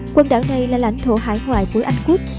quần đảo này là lãnh thổ hải ngoại của anh quốc